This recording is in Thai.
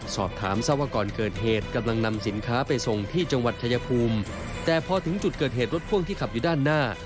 สอบถามทราบว่าก่อนเกิดเหตุกำลังนำสินค้าไปส่งที่จังหวัดชายภูมิแต่พอถึงจุดเกิดเหตุรถพ่วงที่ขับอยู่ด้านหน้า